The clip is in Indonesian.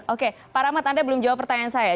oke pak rahmat anda belum jawab pertanyaan saya